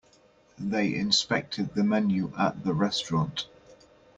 They inspected the menu at the restaurant.